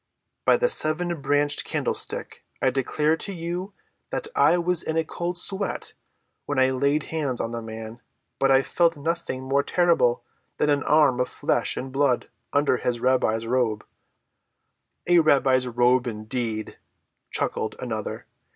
By the seven‐branched candlestick, I declare to you that I was in a cold sweat when I laid hands on the man. But I felt nothing more terrible than an arm of flesh and blood under his rabbi's robe." "A rabbi's robe, indeed," chuckled another.